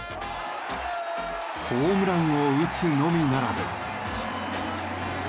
ホームランを打つのみならず。